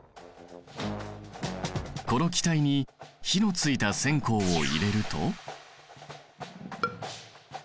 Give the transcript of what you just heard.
この気体に火のついた線香を入れると。